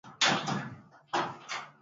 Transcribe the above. Sisi tuko tayari kuboresha kazi zaidi